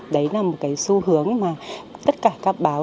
đấy là một cái xu hướng mà tất cả các báo